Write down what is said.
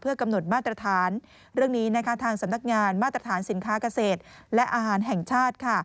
กำหนดมาตรฐานเรื่องนี้นะคะทางสำนักงานมาตรฐานสินค้าเกษตรและอาหารแห่งชาติค่ะ